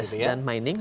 yes dan mining